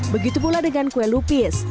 begitu pula dengan kue lupis